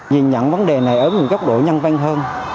nhìn nhận vấn đề này ở một góc độ nhân văn hơn